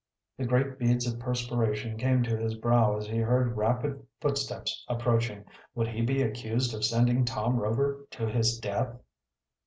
The great beads of perspiration came to his brow as he heard rapid footsteps approaching. Would he be accused of sending Tom Rover to his death?